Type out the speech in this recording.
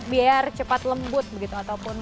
biar cepat lembut begitu ataupun